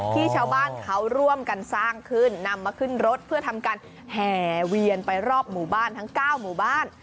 ที่ชาวบ้านเขาร่วมกันสร้างขึ้นนำมาขึ้นรถเพื่อทำการแห่เวียนไปรอบหมู่บ้านทั้ง๙หมู่บ้าน